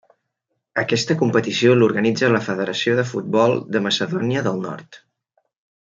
Aquesta competició l'organitza la Federació de Futbol de Macedònia del Nord.